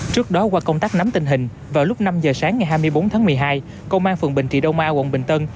trước đó qua công tác nắm tình hình vào lúc năm giờ sáng ngày hai mươi bốn tháng một mươi hai công an phường bình trị đông a quận bình tân